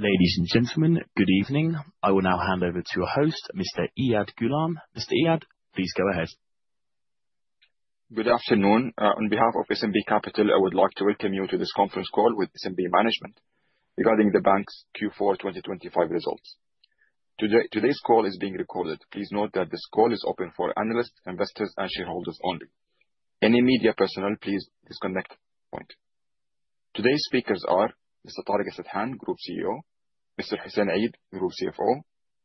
Ladies and gentlemen, good evening. I will now hand over to your host, Mr. Iyad Ghulam. Mr. Iyad, please go ahead. Good afternoon. On behalf of SNB Capital, I would like to welcome you to this conference call with SNB Management regarding the bank's Q4 2025 results. Today's call is being recorded. Please note that this call is open for analysts, investors, and shareholders only. Any media personnel, please disconnect at this point. Today's speakers are Mr. Tareq Al-Sadhan, Group CEO, Mr. Hussein Eid, Group CFO,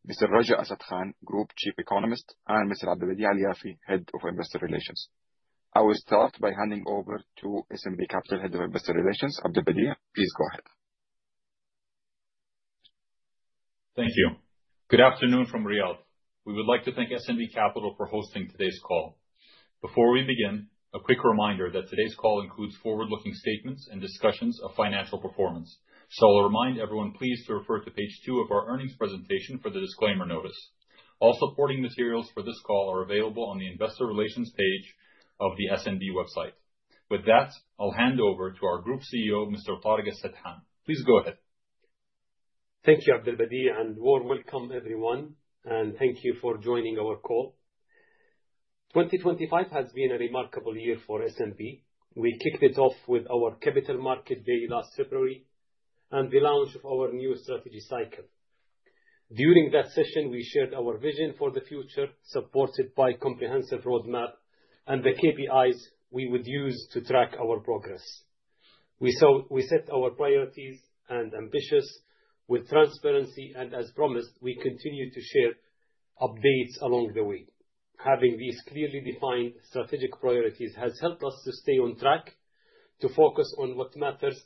Mr. Raja Asad Khan, Group Chief Economist, and Mr. Abdulbadie Alyafi, Head of Investor Relations. I will start by handing over to SNB Capital Head of Investor Relations, Abdulbadie Alyafi. Please go ahead. Thank you. Good afternoon from Riyadh. We would like to thank SNB Capital for hosting today's call. Before we begin, a quick reminder that today's call includes forward-looking statements and discussions of financial performance. I'll remind everyone please to refer to page two of our earnings presentation for the disclaimer notice. All supporting materials for this call are available on the investor relations page of the SNB website. With that, I'll hand over to our Group CEO, Mr. Tareq Al-Sadhan. Please go ahead. Thank you, Abdulbadie, and warm welcome, everyone, and thank you for joining our call. Twenty twenty-five has been a remarkable year for SNB. We kicked it off with our Capital Markets Day last February and the launch of our new strategy cycle. During that session, we shared our vision for the future, supported by comprehensive roadmap and the KPIs we would use to track our progress. We set our priorities and ambitions with transparency, and as promised, we continued to share updates along the way. Having these clearly defined strategic priorities has helped us to stay on track, to focus on what matters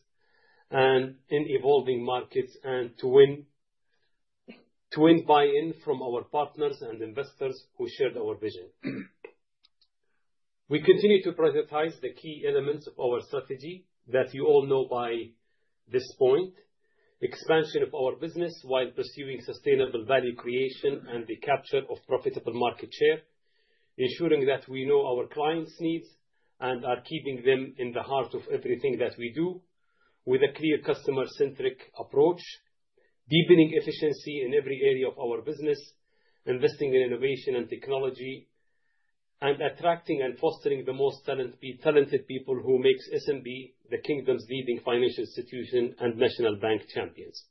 and in evolving markets and to win buy-in from our partners and investors who shared our vision. We continue to prioritize the key elements of our strategy that you all know by this point. Expansion of our business while pursuing sustainable value creation and the capture of profitable market share, ensuring that we know our clients' needs and are keeping them in the heart of everything that we do with a clear customer-centric approach, deepening efficiency in every area of our business, investing in innovation and technology, and attracting and fostering the most talented people who makes SNB the Kingdom's leading financial institution and national bank champions.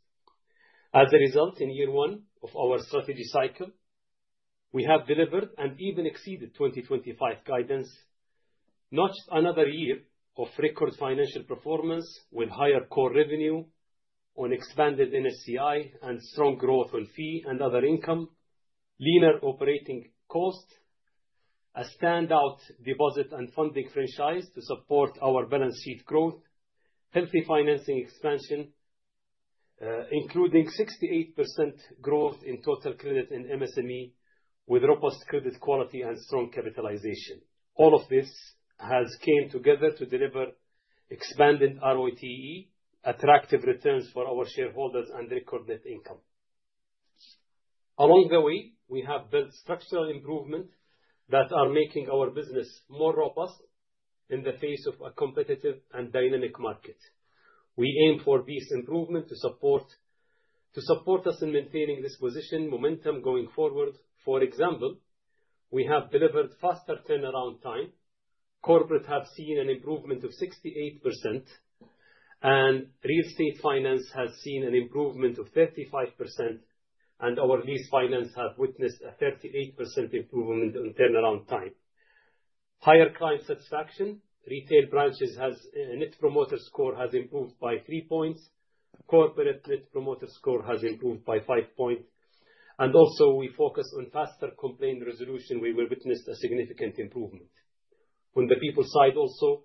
As a result, in year one of our strategy cycle, we have delivered and even exceeded 2025 guidance, notched another year of record financial performance with higher core revenue on expanded NSCI and strong growth on fee and other income, leaner operating costs, a standout deposit and funding franchise to support our balance sheet growth, healthy financing expansion, including 68% growth in total credit in MSME with robust credit quality and strong capitalization. All of this has came together to deliver expanded ROTE, attractive returns for our shareholders and record net income. Along the way, we have built structural improvements that are making our business more robust in the face of a competitive and dynamic market. We aim for these improvements to support us in maintaining this position momentum going forward. For example, we have delivered faster turnaround time. Corporate have seen an improvement of 68%, and real estate finance has seen an improvement of 35%, and our lease finance have witnessed a 38% improvement on turnaround time. Higher client satisfaction. Retail branches has Net Promoter Score has improved by 3 points. Corporate Net Promoter Score has improved by 5 points. Also we focus on faster complaint resolution, where we witnessed a significant improvement. On the people side also,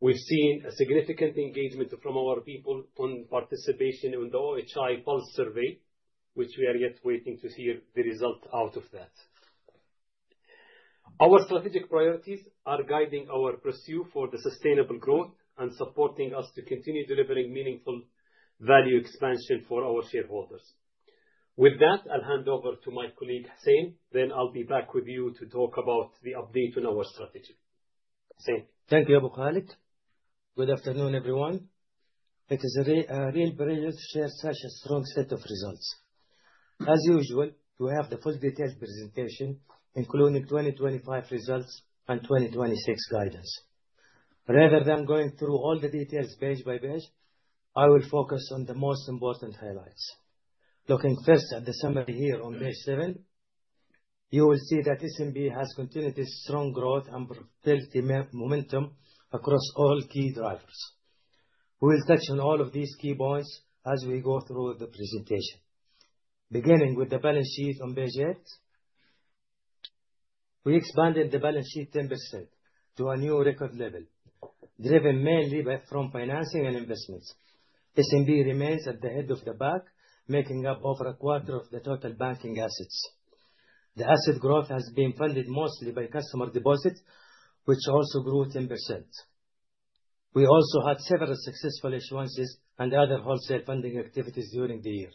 we've seen a significant engagement from our people on participation in the OHI pulse survey, which we are yet waiting to hear the result out of that. Our strategic priorities are guiding our pursuit for the sustainable growth and supporting us to continue delivering meaningful value expansion for our shareholders. With that, I'll hand over to my colleague, Hussein. I'll be back with you to talk about the update on our strategy. Hussein? Thank you, Abu Khalid. Good afternoon, everyone. It is a real pleasure to share such a strong set of results. As usual, we have the full detailed presentation, including 2025 results and 2026 guidance. Rather than going through all the details page by page, I will focus on the most important highlights. Looking first at the summary here on page seven, you will see that SNB has continued its strong growth and profitability momentum across all key drivers. We will touch on all of these key points as we go through the presentation. Beginning with the balance sheet on page eight. We expanded the balance sheet 10% to a new record level, driven mainly by financing and investments. SNB remains at the head of the pack, making up over a quarter of the total banking assets. The asset growth has been funded mostly by customer deposits, which also grew 10%. We also had several successful issuances and other wholesale funding activities during the year,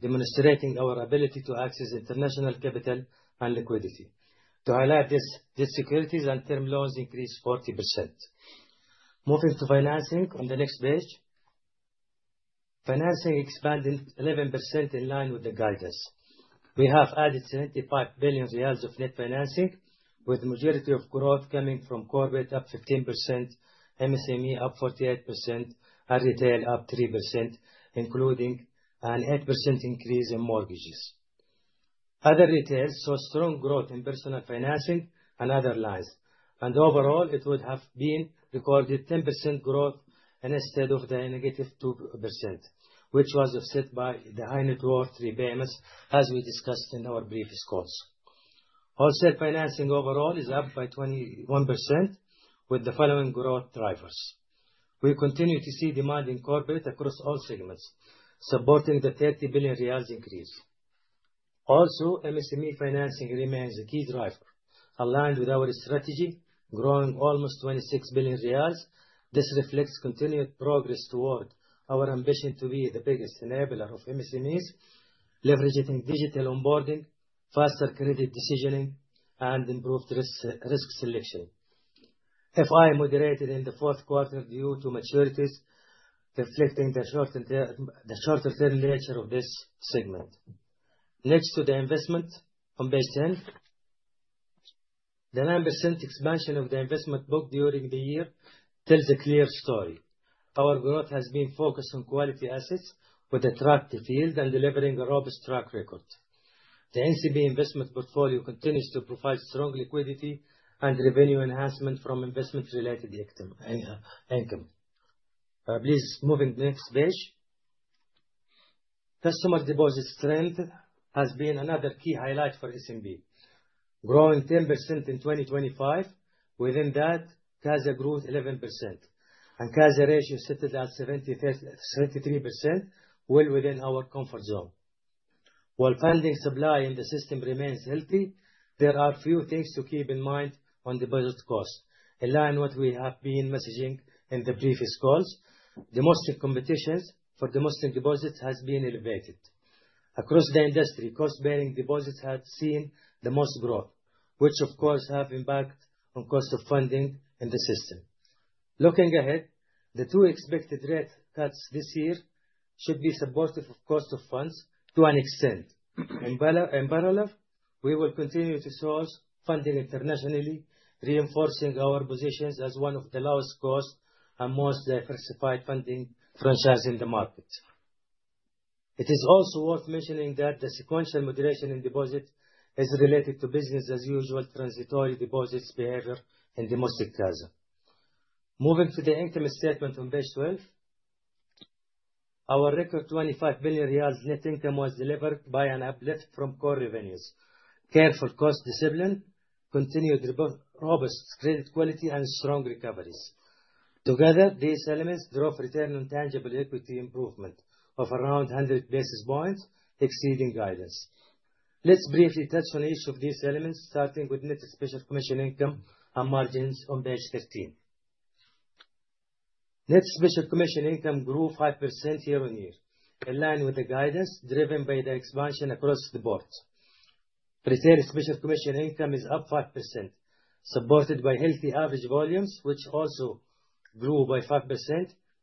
demonstrating our ability to access international capital and liquidity. To highlight this, these securities and term loans increased 40%. Moving to financing on the next page. Financing expanded 11% in line with the guidance. We have added 75 billion riyals of net financing, with majority of growth coming from corporate up 15%, MSME up 48%, and retail up 3%, including an 8% increase in mortgages. Other retail saw strong growth in personal financing and other loans. Overall, it would have been recorded 10% growth instead of the -2%, which was offset by the high net worth repayments, as we discussed in our previous calls. Wholesale financing overall is up by 21% with the following growth drivers. We continue to see demand in corporate across all segments, supporting the 30 billion riyals increase. MSME financing remains a key driver, aligned with our strategy, growing almost 26 billion riyals. This reflects continued progress toward our ambition to be the biggest enabler of MSMEs, leveraging digital onboarding, faster credit decisioning, and improved risk selection. FI moderated in the fourth quarter due to maturities, reflecting the shorter term nature of this segment. Next to the investment on page 10. The 9% expansion of the investment book during the year tells a clear story. Our growth has been focused on quality assets with attractive yield and delivering a robust track record. The SNB investment portfolio continues to provide strong liquidity and revenue enhancement from investment-related income. Please move in the next page. Customer deposit strength has been another key highlight for SNB. Growing 10% in 2025, within that, CASA grew 11% and CASA ratio settled at 73%, well within our comfort zone. While funding supply in the system remains healthy, there are a few things to keep in mind on deposit costs. In line with what we have been messaging in the previous calls, domestic competition for domestic deposits has been elevated. Across the industry, cost-bearing deposits have seen the most growth, which of course have impact on cost of funding in the system. Looking ahead, the two expected rate cuts this year should be supportive of cost of funds to an extent. In parallel, we will continue to source funding internationally, reinforcing our positions as one of the lowest cost and most diversified funding franchise in the market. It is also worth mentioning that the sequential moderation in deposit is related to business as usual transitory deposits behavior in domestic CASA. Moving to the income statement on page 12. Our record 25 billion riyals net income was delivered by an uplift from core revenues, careful cost discipline, continued robust credit quality, and strong recoveries. Together, these elements drove return on tangible equity improvement of around 100 basis points exceeding guidance. Let's briefly touch on each of these elements, starting with net special commission income and margins on page 15. Net special commission income grew 5% year-on-year, in line with the guidance driven by the expansion across the board. Retail special commission income is up 5%, supported by healthy average volumes, which also grew by 5%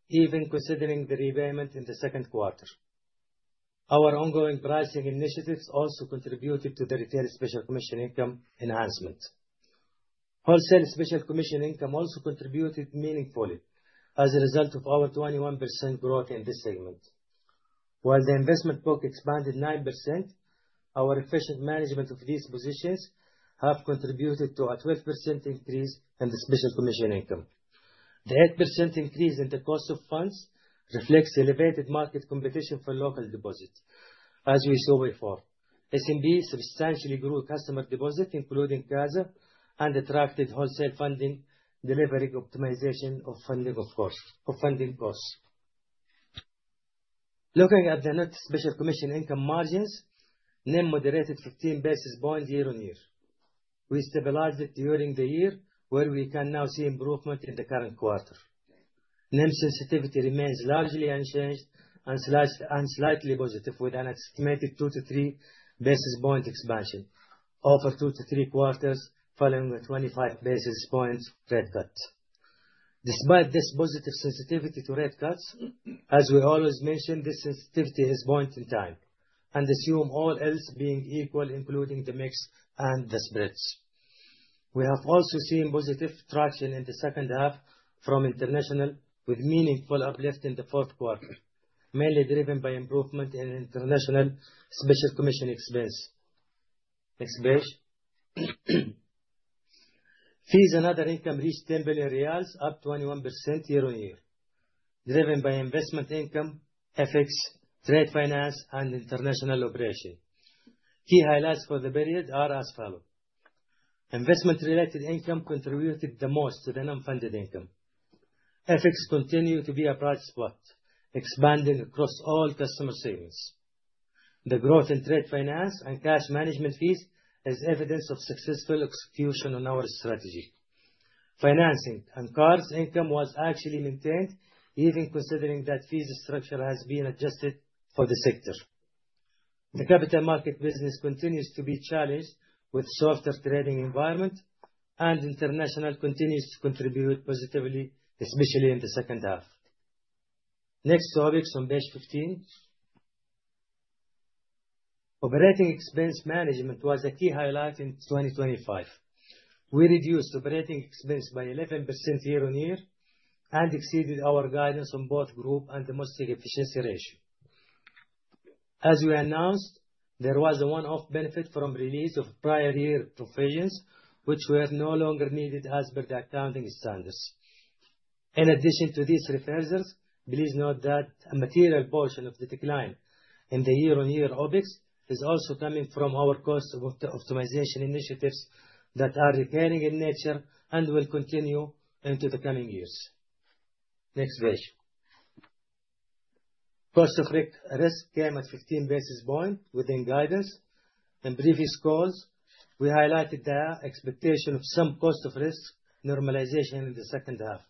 even considering the repayment in the second quarter. Our ongoing pricing initiatives also contributed to the retail special commission income enhancement. Wholesale special commission income also contributed meaningfully as a result of our 21% growth in this segment. While the investment book expanded 9%, our efficient management of these positions have contributed to a 12% increase in the special commission income. The 8% increase in the cost of funds reflects the elevated market competition for local deposits, as we saw before. SMB substantially grew customer deposit, including CASA and attracted wholesale funding, delivering optimization of funding costs. Looking at the net special commission income margins, NIM moderated 15 basis points year-on-year. We stabilized it during the year, where we can now see improvement in the current quarter. NIM sensitivity remains largely unchanged and slightly positive with an estimated 2-3 basis point expansion over two to three quarters following a 25 basis points rate cut. Despite this positive sensitivity to rate cuts, as we always mention, this sensitivity is point in time and assumes all else being equal, including the mix and the spreads. We have also seen positive traction in the second half from International, with meaningful uplift in the fourth quarter, mainly driven by improvement in international special commission expense. Next page. Fees and other income reached SAR 10 billion, up 21% year-on-year, driven by investment income, FX, trade finance, and international operations. Key highlights for the period are as follows: Investment related income contributed the most to the non-funded income. FX continues to be a bright spot, expanding across all customer segments. The growth in trade finance and cash management fees is evidence of successful execution on our strategy. Financing and cards income was actually maintained, even considering that fees structure has been adjusted for the sector. The Capital Market business continues to be challenged with softer trading environment and international continues to contribute positively, especially in the second half. Next topic on page 15. OpEx management was a key highlight in 2025. We reduced OpEx by 11% year-on-year and exceeded our guidance on both group and the domestic efficiency ratio. As we announced, there was a one-off benefit from release of prior-year provisions, which were no longer needed as per the accounting standards. In addition to these reversals, please note that a material portion of the decline in the year-on-year OpEx is also coming from our cost of optimization initiatives that are recurring in nature and will continue into the coming years. Next page. Cost of risk came at 15 basis points within guidance and previous calls, we highlighted the expectation of some cost of risk normalization in the second half.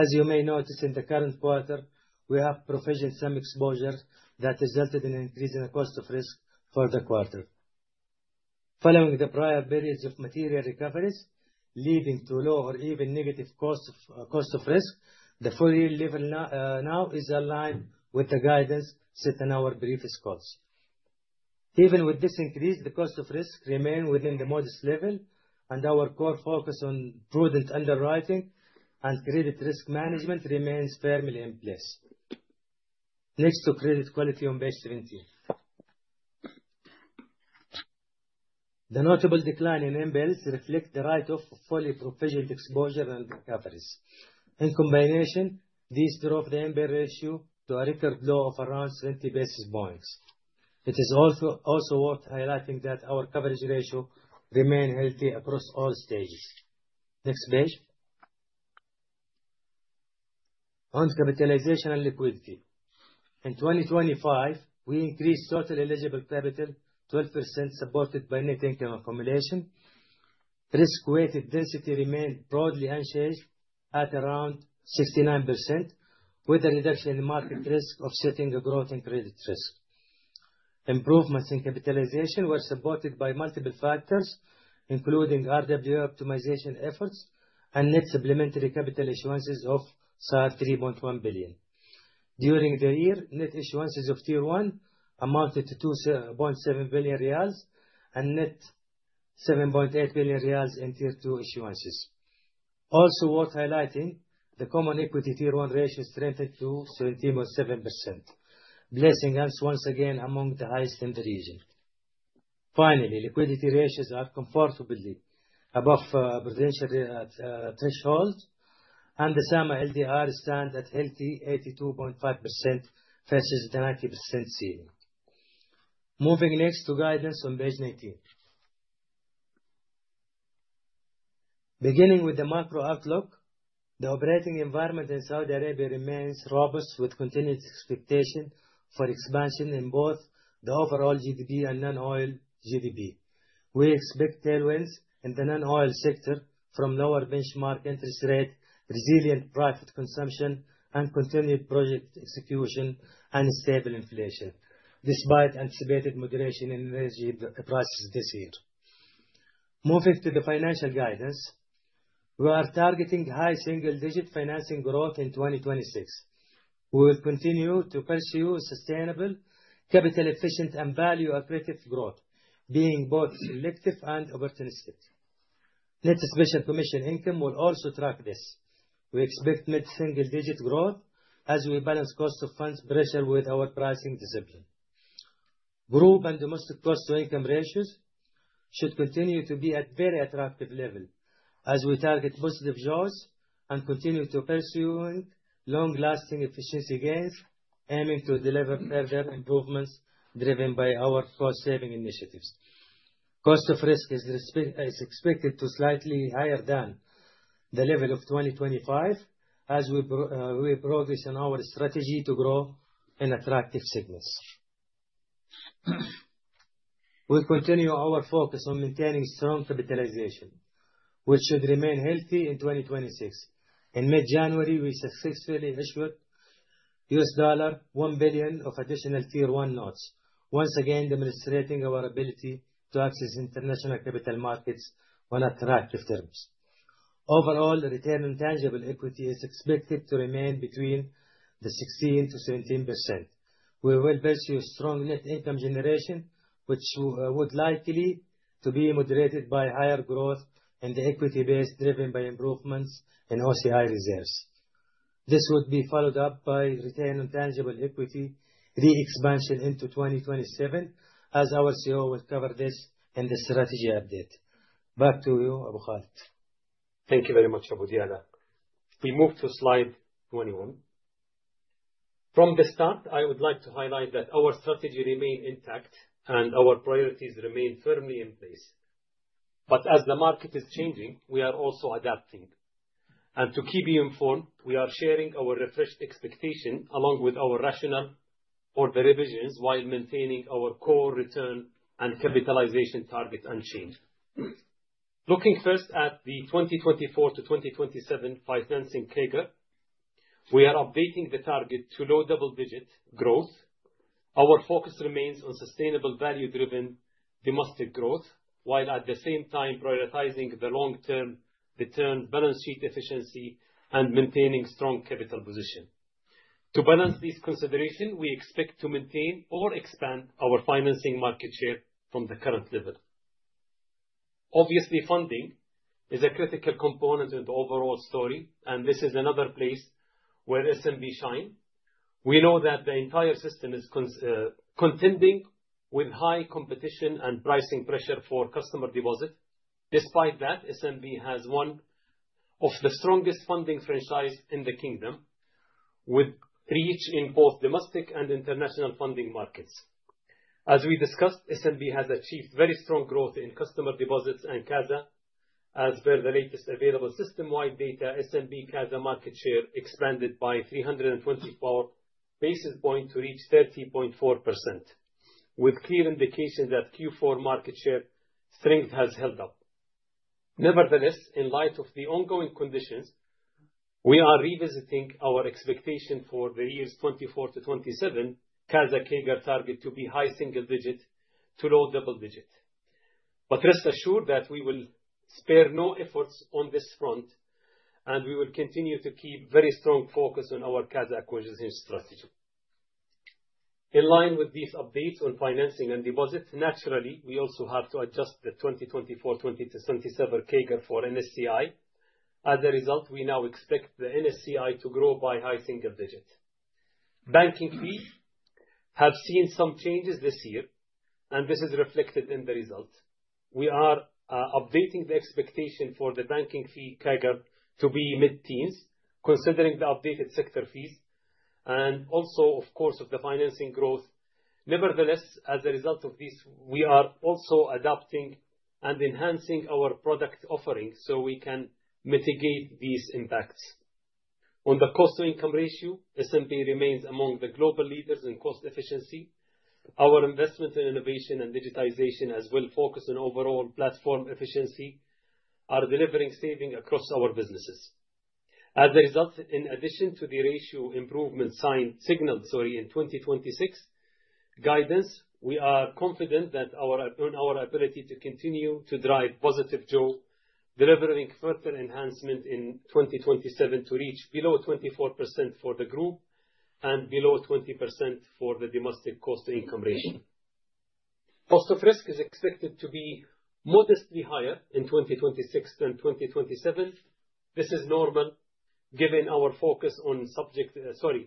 As you may notice in the current quarter, we have provisioned some exposure that resulted in an increase in cost of risk for the quarter. Following the prior periods of material recoveries leading to low or even negative cost of risk, the full-year level now is aligned with the guidance set in our previous calls. Even with this increase, the cost of risk remains within the modest level and our core focus on prudent underwriting and credit risk management remains firmly in place. Next, credit quality on page 17. The notable decline in NPLs reflects the write-off of fully provisioned exposure and recoveries. In combination, these drove the NPL ratio to a record low of around 70 basis points. It is also worth highlighting that our coverage ratio remains healthy across all stages. Next page. On capitalization and liquidity. In 2025, we increased total eligible capital 12% supported by net income accumulation. Risk-weighted density remained broadly unchanged at around 69%, with a reduction in market risk offsetting a growth in credit risk. Improvements in capitalization were supported by multiple factors, including RWA optimization efforts and net supplementary capital issuances of 3.1 billion. During the year, net issuances of Tier 1 amounted to SAR 2.7 billion and net SAR 7.8 billion in Tier 2 issuances. Also worth highlighting, the Common Equity Tier 1 ratio strengthened to 17.7%, placing us once again among the highest in the region. Finally, liquidity ratios are comfortably above potential thresholds, and the SAMA LDR stand at healthy 82.5% versus the 90% ceiling. Moving next to guidance on page 19. Beginning with the macro outlook, the operating environment in Saudi Arabia remains robust with continued expectation for expansion in both the overall GDP and non-oil GDP. We expect tailwinds in the non-oil sector from lower benchmark interest rate, resilient private consumption and continued project execution and stable inflation, despite anticipated moderation in energy prices this year. Moving to the financial guidance. We are targeting high single-digit financing growth in 2026. We will continue to pursue sustainable, capital efficient and value-accretive growth, being both selective and opportunistic. Net special commission income will also track this. We expect mid-single-digit growth as we balance cost of funds pressure with our pricing discipline. Group and domestic cost-to-income ratios should continue to be at very attractive level as we target positive jaws and continue to pursuing long-lasting efficiency gains, aiming to deliver further improvements driven by our cost saving initiatives. Cost of risk is expected to slightly higher than the level of 2025 as we progress on our strategy to grow in attractive segments. We'll continue our focus on maintaining strong capitalization, which should remain healthy in 2026. In mid-January, we successfully issued $1 billion of Additional Tier 1 notes, once again demonstrating our ability to access international capital markets on attractive terms. Overall, the return on tangible equity is expected to remain between 16%-17%. We will pursue strong net income generation, which would likely to be moderated by higher growth in the equity base driven by improvements in OCI reserves. This would be followed up by return on tangible equity re-expansion into 2027 as our CEO will cover this in the strategy update. Back to you, Abu Khalid. Thank you very much, Abu Diala. We move to slide 21. From the start, I would like to highlight that our strategy remain intact and our priorities remain firmly in place. As the market is changing, we are also adapting. To keep you informed, we are sharing our refreshed expectation along with our rationale for the revisions while maintaining our core return and capitalization targets unchanged. Looking first at the 2024-2027 financing CAGR. We are updating the target to low double-digit growth. Our focus remains on sustainable, value-driven domestic growth, while at the same time prioritizing the long-term return balance sheet efficiency and maintaining strong capital position. To balance this consideration, we expect to maintain or expand our financing market share from the current level. Obviously, funding is a critical component in the overall story, and this is another place where SNB shines. We know that the entire system is contending with high competition and pricing pressure for customer deposit. Despite that, SNB has one of the strongest funding franchise in the Kingdom, with reach in both domestic and international funding markets. As we discussed, SNB has achieved very strong growth in customer deposits and CASA. As per the latest available system-wide data, SNB CASA market share expanded by 324 basis points to reach 30.4%, with clear indication that Q4 market share strength has held up. Nevertheless, in light of the ongoing conditions, we are revisiting our expectation for the years 2024-2027 CASA CAGR target to be high single-digit to low double-digit. Rest assured that we will spare no efforts on this front, and we will continue to keep very strong focus on our CASA acquisition strategy. In line with these updates on financing and deposits, naturally, we also have to adjust the 2024 to 2027 CAGR for NSCI. As a result, we now expect the NSCI to grow by high single-digit. Banking fees have seen some changes this year, and this is reflected in the results. We are updating the expectation for the banking fee CAGR to be mid-teens, considering the updated sector fees and also, of course, of the financing growth. Nevertheless, as a result of this, we are also adapting and enhancing our product offerings so we can mitigate these impacts. On the cost-to-income ratio, SNB remains among the global leaders in cost efficiency. Our investment in innovation and digitization, as well as focus on overall platform efficiency, are delivering savings across our businesses. As a result, in addition to the ratio improvement signaled in 2026 guidance, we are confident on our ability to continue to drive positive jaws, delivering further enhancement in 2027 to reach below 24% for the group and below 20% for the domestic cost-to-income ratio. Cost of risk is expected to be modestly higher in 2026 and 2027. This is normal, given our focus on the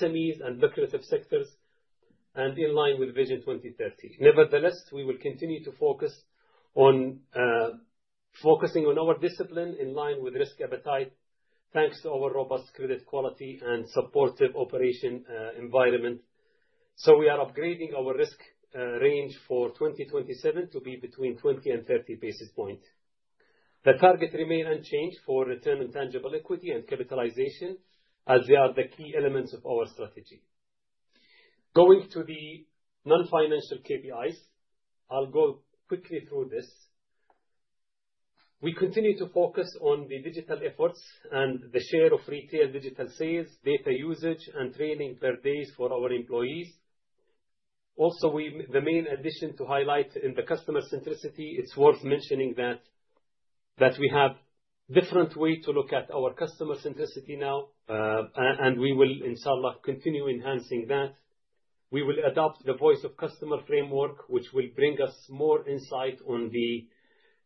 SMEs and lucrative sectors and in line with Vision 2030. Nevertheless, we will continue to focus on our discipline in line with risk appetite, thanks to our robust credit quality and supportive operational environment. We are upgrading our risk range for 2027 to be between 20 basis points and 30 basis points. The targets remain unchanged for return on tangible equity and capitalization, as they are the key elements of our strategy. Going to the non-financial KPIs. I'll go quickly through this. We continue to focus on the digital efforts and the share of retail digital sales, data usage and training per base for our employees. Also, the main addition to highlight in the customer centricity, it's worth mentioning that that we have different way to look at our customer centricity now, and we will, Inshallah, continue enhancing that. We will adopt the Voice of Customer framework, which will bring us more insight on the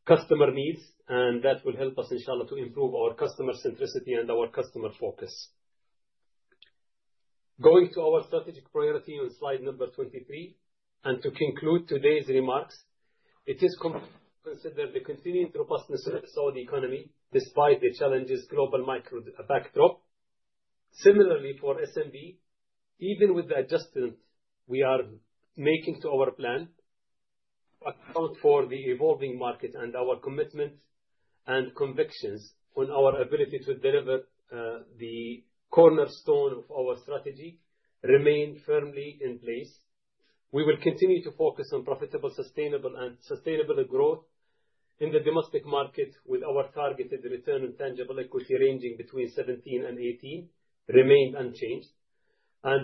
customer needs, and that will help us, Inshallah, to improve our customer centricity and our customer focus. Going to our strategic priority on slide number 23, to conclude today's remarks, it is considered the continuing robustness of the Saudi economy, despite the challenges of the global macro backdrop. Similarly, for SNB, even with the adjustments we are making to our plans to account for the evolving market and our commitment and conviction on our ability to deliver, the cornerstone of our strategy remains firmly in place. We will continue to focus on profitable, sustainable growth in the domestic market, with our targeted return on tangible equity ranging between 17% and 18% remain unchanged.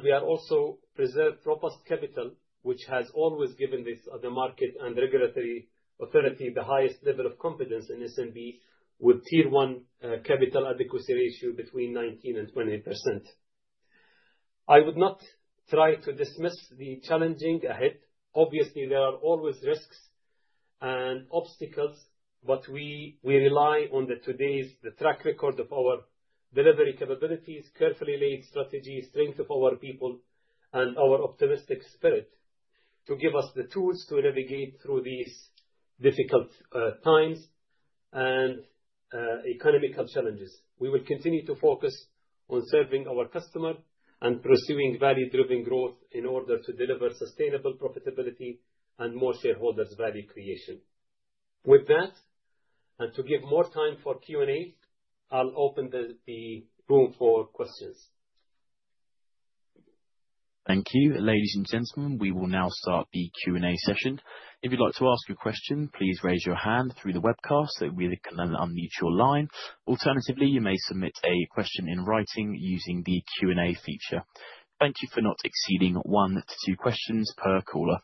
We are also preserving robust capital, which has always given this, the market and regulatory authority the highest level of confidence in SNB with Tier 1 capital adequacy ratio between 19% and 20%. I would not try to dismiss the challenges ahead. Obviously, there are always risks and obstacles, but we rely on the track record of our delivery capabilities, carefully laid strategies, strength of our people, and our optimistic spirit to give us the tools to navigate through these difficult times and economic challenges. We will continue to focus on serving our customer and pursuing value-driven growth in order to deliver sustainable profitability and more shareholders' value creation. With that, and to give more time for Q&A, I'll open the room for questions. Thank you. Ladies and gentlemen, we will now start the Q&A session. If you'd like to ask a question, please raise your hand through the webcast so we can then unmute your line. Alternatively, you may submit a question in writing using the Q&A feature. Thank you for not exceeding one to two questions per caller.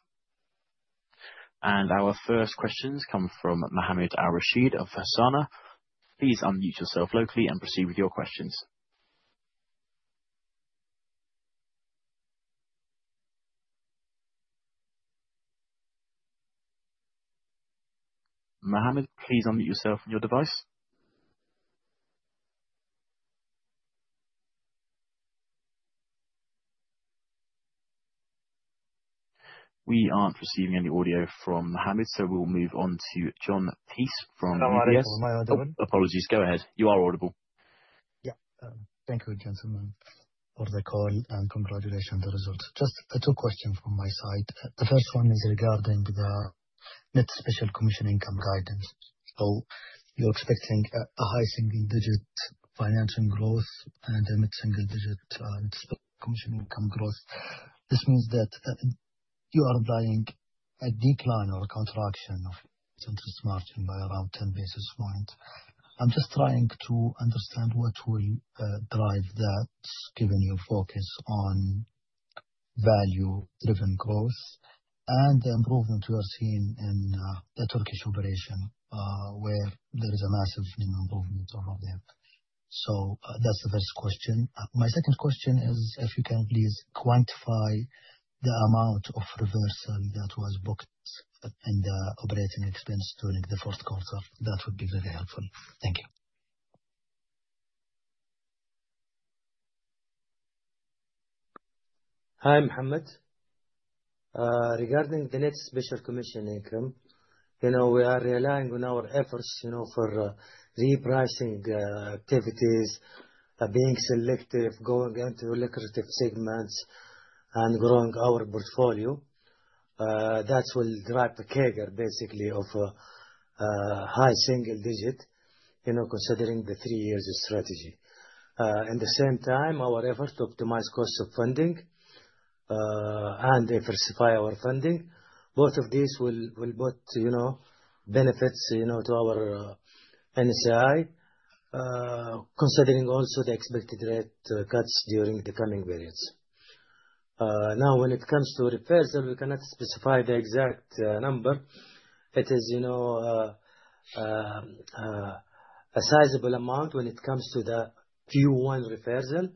Our first question comes from Mohammed Al Rasheed of Hassana. Please unmute yourself locally and proceed with your questions. Mohammed, please unmute yourself on your device. We aren't receiving any audio from Mohammed, so we'll move on to Jon Peace from UBS. Mohammed. Am I audible? Apologies. Go ahead. You are audible. Yeah. Thank you, gentlemen, for the call, and congratulations on the results. Just two questions from my side. The first one is regarding the net special commission income guidance. You're expecting a high single-digit financial growth and a mid-single digit commission income growth. This means that you are applying a decline or a contraction of interest margin by around 10 basis points. I'm just trying to understand what will drive that, given your focus on value-driven growth and the improvement we are seeing in the Turkish operation, where there is a massive improvement over there. That's the first question. My second question is if you can please quantify the amount of reversal that was booked in the OpEx during the fourth quarter, that would be very helpful. Thank you. Hi, Mohammed. Regarding the next special commission income, you know, we are relying on our efforts, you know, for repricing activities, being selective, going into lucrative segments and growing our portfolio. That will drive the CAGR basically of a high single-digit, you know, considering the three-year strategy. At the same time, our efforts to optimize cost of funding and diversify our funding, both of these will put, you know, benefits, you know, to our NSCI, considering also the expected rate cuts during the coming periods. Now, when it comes to reversal, we cannot specify the exact number. It is, you know, a sizable amount when it comes to the Q1 reversal.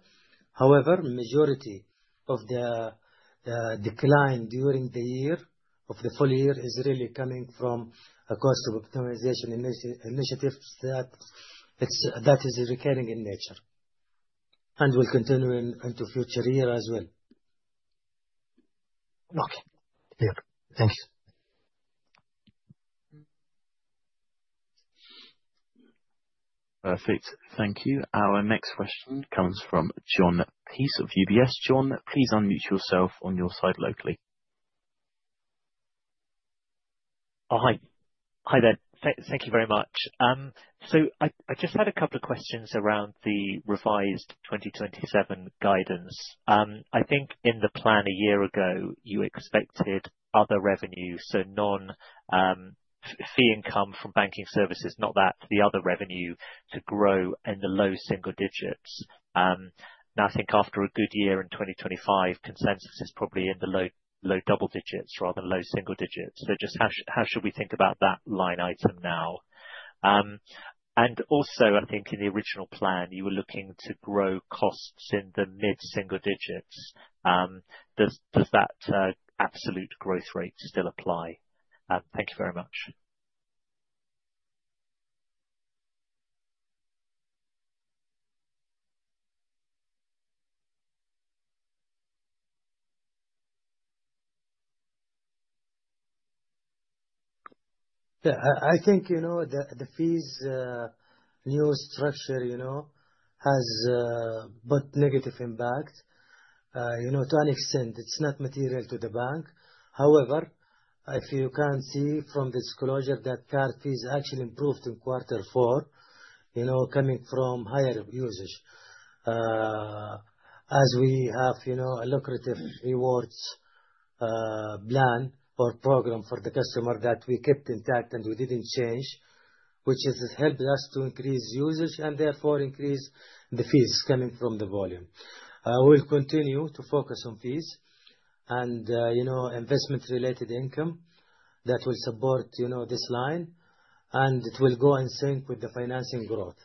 However, majority of the decline during the year of the full year is really coming from cost optimization initiatives that is recurring in nature and will continue into future year as well. Okay. Yeah. Thanks. Perfect. Thank you. Our next question comes from Jon Peace of UBS. Jon, please unmute yourself on your side locally. Oh, hi. Hi there. Thank you very much. I just had a couple of questions around the revised 2027 guidance. I think in the plan a year ago, you expected other revenue, so non-fee income from banking services, not that, the other revenue, to grow in the low single digits. Now I think after a good year in 2025, consensus is probably in the low double digits rather than low single digits. Just how should we think about that line item now? Also I think in the original plan, you were looking to grow costs in the mid-single digits. Does that absolute growth rate still apply? Thank you very much. Yeah. I think, you know, the fees new structure, you know, has put negative impact. You know, to an extent, it's not material to the bank. However, if you can see from this closure that card fees actually improved in quarter four, you know, coming from higher usage. As we have, you know, a lucrative rewards plan or program for the customer that we kept intact and we didn't change, which has helped us to increase usage and therefore increase the fees coming from the volume. We'll continue to focus on fees and, you know, investment related income that will support, you know, this line, and it will go in sync with the financing growth.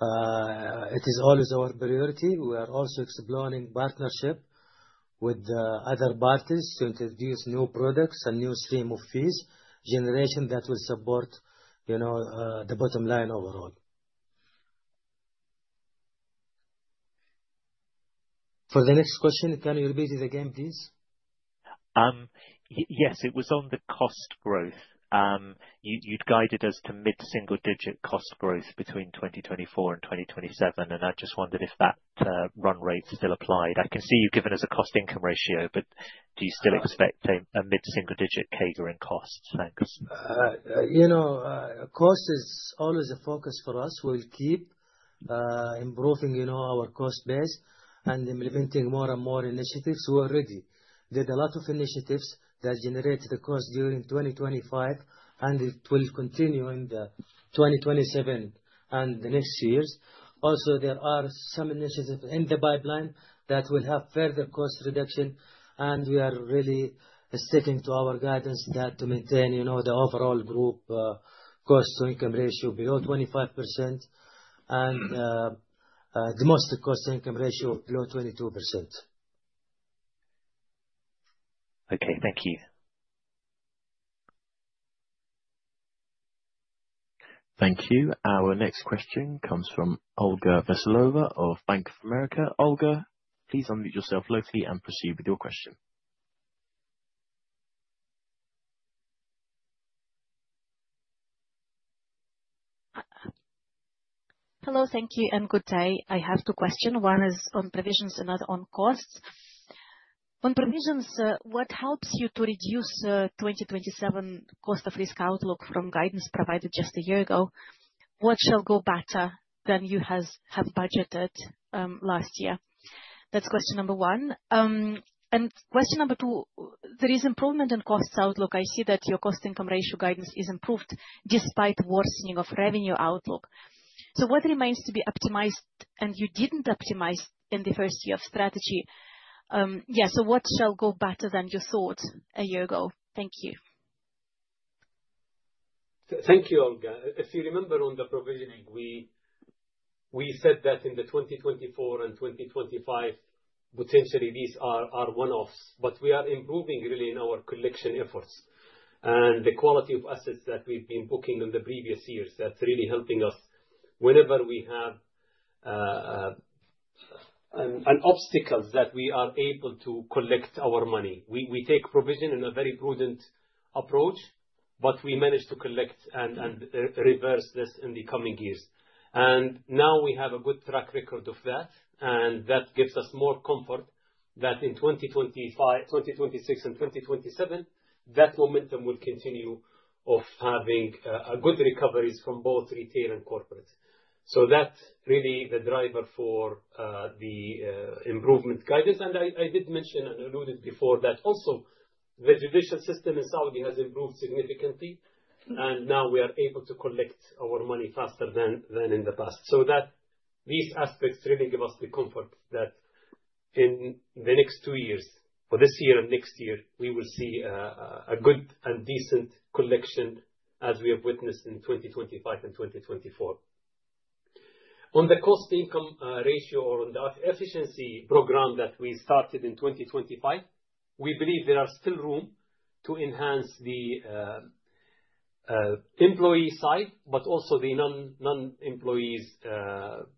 It is always our priority. We are also exploring partnership with other parties to introduce new products and new stream of fees generation that will support, you know, the bottom line overall. For the next question, can you repeat it again, please? Yes, it was on the cost growth. You had guided us to mid-single digit cost growth between 2024 and 2027, and I just wondered if that run rate still applied. I can see you've given us a cost-income ratio, but do you still expect a mid-single digit CAGR in costs? Thanks. You know, cost is always a focus for us. We'll keep improving, you know, our cost base and implementing more and more initiatives. We already did a lot of initiatives that generated the cost during 2025, and it will continue in the 2027 and the next years. Also, there are some initiatives in the pipeline that will have further cost reduction, and we are really sticking to our guidance that to maintain, you know, the overall group, cost-to-income ratio below 25% and, the domestic cost-to-income ratio below 22%. Okay, thank you. Thank you. Our next question comes from Olga Veselova of Bank of America. Olga, please unmute yourself locally and proceed with your question. Hello. Thank you, and good day. I have two question. One is on provisions, another on costs. On provisions, what helps you to reduce 2027 cost of risk outlook from guidance provided just a year ago? What shall go better than you have budgeted last year? That's question number one. Question number two, there is improvement in costs outlook. I see that your cost-income ratio guidance is improved despite worsening of revenue outlook. What remains to be optimized and you didn't optimize in the first year of strategy? What shall go better than you thought a year ago? Thank you. Thank you, Olga. If you remember on the provisioning, we said that in 2024 and 2025, potentially these are one-offs. We are improving really in our collection efforts. The quality of assets that we've been booking in the previous years, that's really helping us whenever we have an obstacle that we are able to collect our money. We take provision in a very prudent approach, but we manage to collect and reverse this in the coming years. Now we have a good track record of that, and that gives us more comfort that in 2025, 2026, and 2027, that momentum will continue of having a good recoveries from both Retail and Corporate. That's really the driver for the improvement guidance. I did mention and alluded before that also the judicial system in Saudi has improved significantly. Mm-hmm. Now we are able to collect our money faster than in the past. That these aspects really give us the comfort that in the next two years, for this year and next year, we will see a good and decent collection as we have witnessed in 2025 and 2024. On the cost income ratio or on the efficiency program that we started in 2025, we believe there are still room to enhance the employee side, but also the non-employees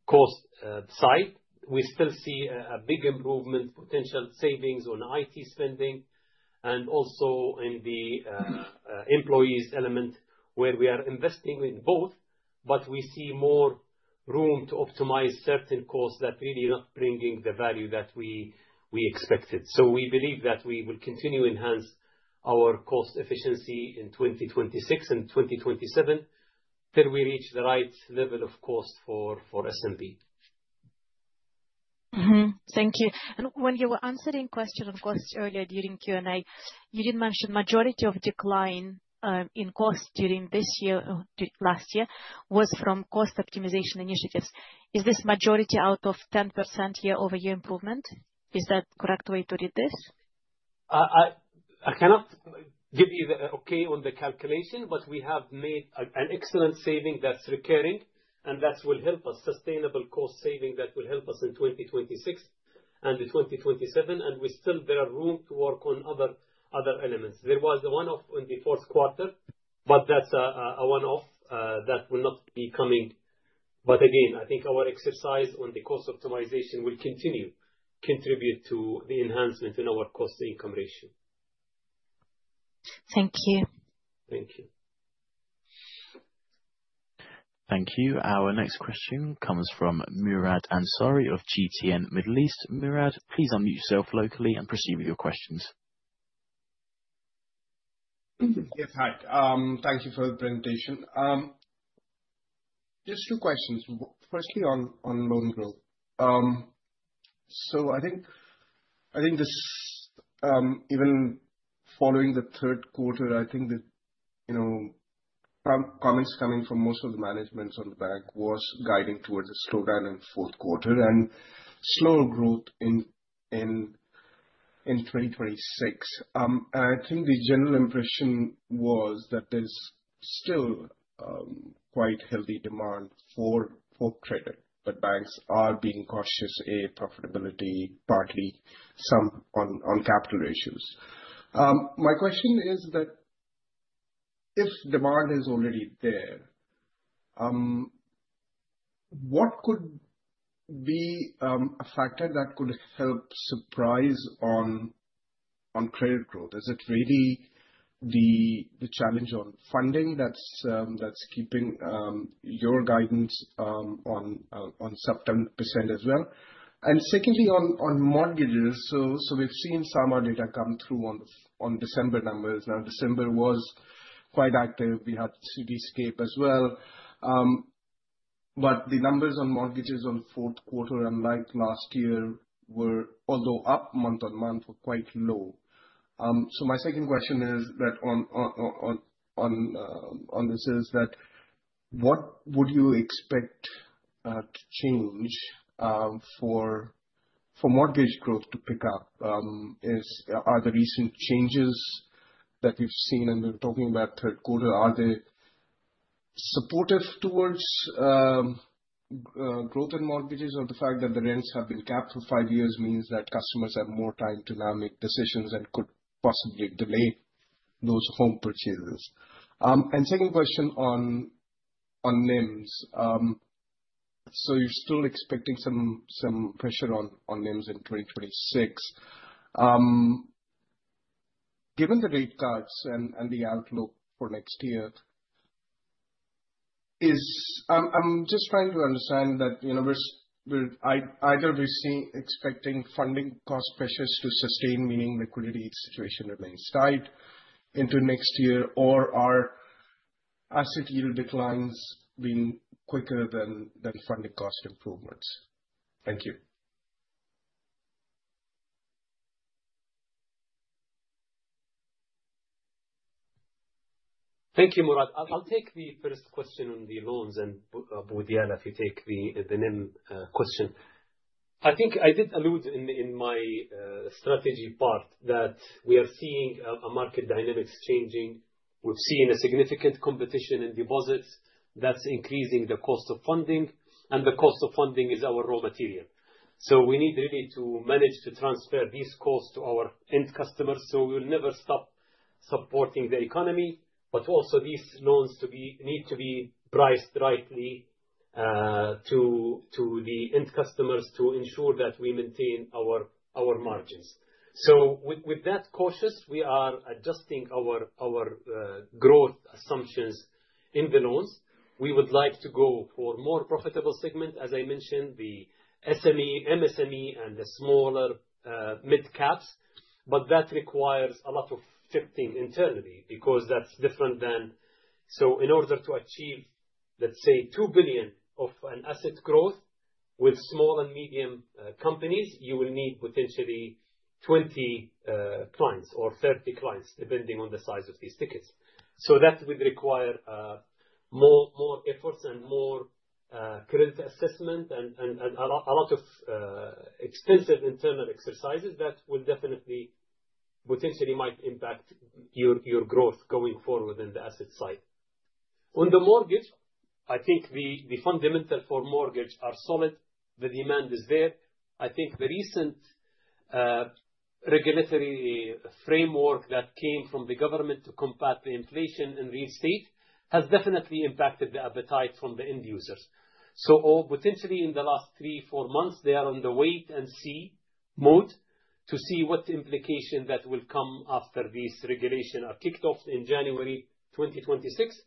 cost side. We still see a big improvement, potential savings on IT spending and also in the employees element where we are investing in both, but we see more room to optimize certain costs that really are not bringing the value that we expected. We believe that we will continue enhance our cost efficiency in 2026 and 2027 till we reach the right level of cost for SNB. Thank you. When you were answering question on costs earlier during Q&A, you did mention majority of decline in cost during this year, or last year, was from cost optimization initiatives. Is this majority out of 10% year-over-year improvement? Is that correct way to read this? I cannot give you the okay on the calculation, but we have made an excellent saving that's recurring, and that will help us sustainable cost saving that will help us in 2026 and in 2027, and there are still room to work on other elements. There was a one-off in the fourth quarter, but that's a one-off that will not be coming. Again, I think our exercise on the cost optimization will continue contribute to the enhancement in our cost-to-income ratio. Thank you. Thank you. Thank you. Our next question comes from Murad Ansari of GTN Middle East. Murad, please unmute yourself locally and proceed with your questions. Yes. Hi, thank you for the presentation. Just two questions. Firstly, on loan growth. I think this even following the third quarter, you know, the comments coming from most of the managements on the bank were guiding towards a slowdown in fourth quarter and slower growth in 2026. I think the general impression was that there's still quite healthy demand for credit, but banks are being cautious re profitability, partly some on capital ratios. My question is that if demand is already there, what could be a factor that could help surprise on credit growth? Is it really the challenge on funding that's keeping your guidance on sub-10% as well? Secondly, on mortgages, we've seen some data come through on December numbers. Now December was quite active. We had Cityscape as well. The numbers on mortgages on fourth quarter, unlike last year, were, although up month-on-month, quite low. My second question is, on this, what would you expect to change for mortgage growth to pick up? Are the recent changes that you've seen, and we're talking about third quarter, supportive toward growth in mortgages or the fact that the rents have been capped for five years means that customers have more time to now make decisions that could possibly delay those home purchases? Second question on NIMs. You're still expecting some pressure on NIMs in 2026. Given the rate cuts and the outlook for next year, I'm just trying to understand that, you know, either we're expecting funding cost pressures to sustain, meaning liquidity situation remains tight into next year, or are asset yield declines have been quicker than funding cost improvements? Thank you. Thank you, Murad. I'll take the first question on the loans and Abu Diala, if you take the NIM question. I think I did allude in my strategy part that we are seeing a market dynamics changing. We've seen a significant competition in deposits that's increasing the cost of funding, and the cost of funding is our raw material. We need really to manage to transfer these costs to our end customers, so we'll never stop supporting the economy, but also these loans need to be priced rightly to the end customers to ensure that we maintain our margins. With that cautious, we are adjusting our growth assumptions in the loans. We would like to go for more profitable segment, as I mentioned, the SME, MSME, and the smaller mid-caps. That requires a lot of shifting internally because that's different than. In order to achieve, let's say, 2 billion of an asset growth with small and medium companies, you will need potentially 20 clients or 30 clients, depending on the size of these tickets. That will require more efforts and more credit assessment and a lot of extensive internal exercises that will definitely potentially might impact your growth going forward in the asset side. On the mortgage, I think the fundamentals for mortgage are solid. The demand is there. I think the recent regulatory framework that came from the government to combat the inflation in real estate has definitely impacted the appetite from the end users. Potentially in the last three, four months, they are on the wait-and-see mode to see what implication that will come after this regulation are kicked off in January 2026.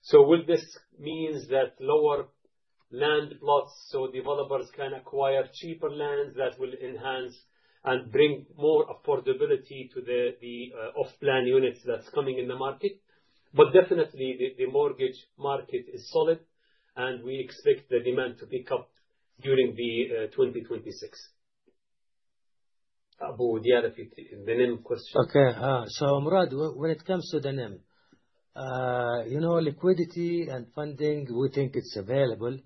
So will this means that lower land plots so developers can acquire cheaper lands that will enhance and bring more affordability to the off-plan units that's coming in the market. Definitely the mortgage market is solid, and we expect the demand to pick up during 2026. Abu Diala, if you can take the NIM question. Okay. Murad, when it comes to the NIM, you know, liquidity and funding, we think it's available.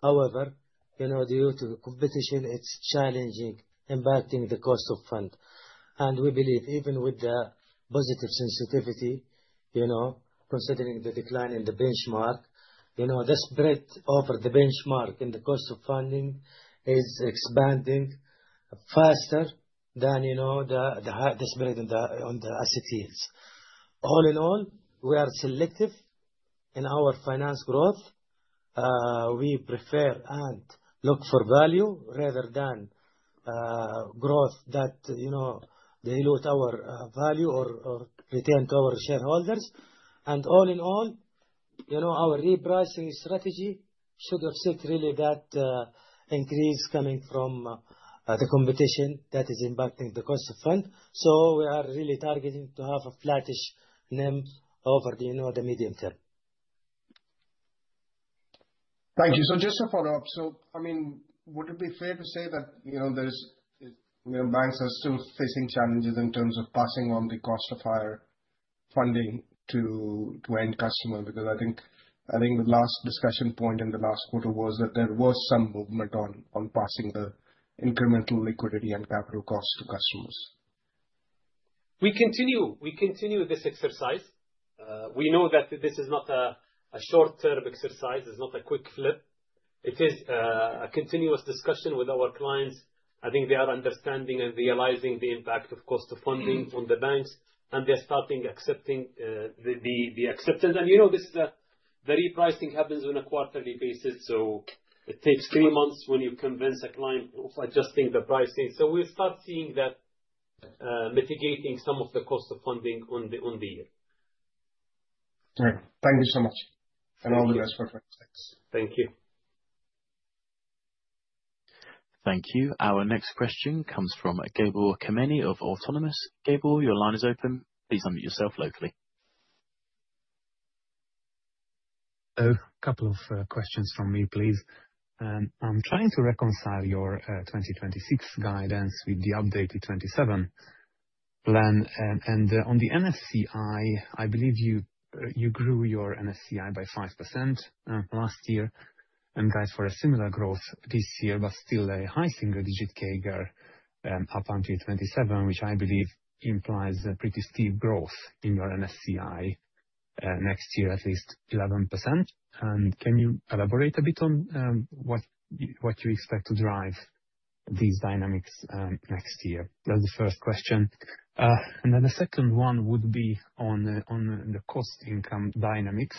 However, you know, due to the competition, it's challenging impacting the cost of funds. We believe even with the positive sensitivity, you know, considering the decline in the benchmark, you know, the spread over the benchmark in the cost of funding is expanding faster than, you know, the spread on the asset yields. All in all, we are selective in our financing growth. We prefer and look for value rather than growth that, you know, dilute our value or return to our shareholders. All in all, you know, our repricing strategy should offset really that increase coming from the competition that is impacting the cost of funds. We are really targeting to have a flattish NIM over the, you know, the medium term. Thank you. Just to follow up. I mean, would it be fair to say that, you know, banks are still facing challenges in terms of passing on the cost of higher funding to end customer? Because I think the last discussion point in the last quarter was that there was some movement on passing the incremental liquidity and capital costs to customers. We continue this exercise. We know that this is not a short-term exercise. It's not a quick flip. It is a continuous discussion with our clients. I think they are understanding and realizing the impact of cost of funding on the banks, and they're starting accepting the acceptance. You know, this, the repricing happens on a quarterly basis, so it takes three months when you convince a client of adjusting the pricing. We'll start seeing that mitigating some of the cost of funding over the year. All right. Thank you so much. All the best for 2026. Thank you. Thank you. Our next question comes from Gabor Kemeny of Autonomous Research. Gabor, your line is open. Please unmute yourself locally. Oh, couple of questions from me, please. I'm trying to reconcile your 2026 guidance with the updated 2027 plan. On the NSCI, I believe you grew your NSCI by 5% last year, and guide for a similar growth this year, but still a high single-digit CAGR up until 2027, which I believe implies a pretty steep growth in your NSCI next year, at least 11%. Can you elaborate a bit on what you expect to drive these dynamics next year? That's the first question. The second one would be on the cost income dynamics,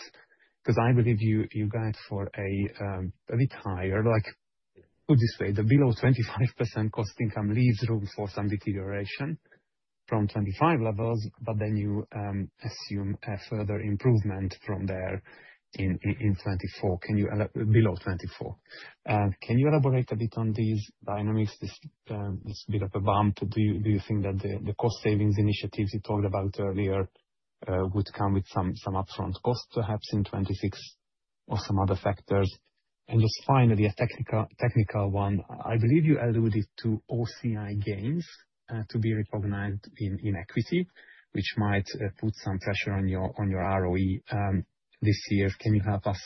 'cause I believe you guide for a bit higher, like, put it this way, the below 25% cost income leaves room for some deterioration from 2025 levels, but then you assume a further improvement from there in 2024, below 2024. Can you elaborate a bit on these dynamics, this bit of a bump? Do you think that the cost savings initiatives you told about earlier would come with some upfront costs perhaps in 2026 or some other factors? Just finally, a technical one. I believe you alluded to OCI gains to be recognized in equity, which might put some pressure on your ROE this year. Can you help us,